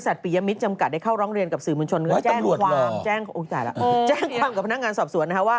นั่นนะสิสาธรณ์๑๑แยก๕นี่มันช่วงไปทางสารสิน